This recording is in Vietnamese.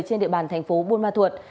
trên địa bàn thành phố buôn ma thuột